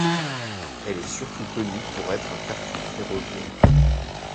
Elle est surtout connue pour être un carrefour ferroviaire.